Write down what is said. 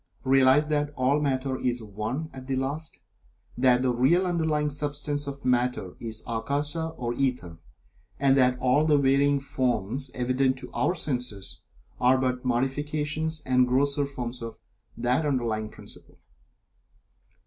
Realize that all Matter is One at the last that the real underlying substance of Matter is Akasa or Ether, and that all the varying forms evident to our senses are but modifications and grosser forms of that underlying principle.